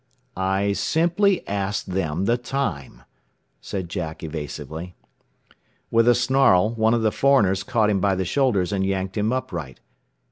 "I simply asked them the time," said Jack evasively. With a snarl one of the foreigners caught him by the shoulders and yanked him upright.